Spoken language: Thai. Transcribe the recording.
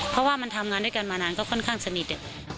เพราะว่ามันทำงานด้วยกันมานานก็ค่อนข้างสนิท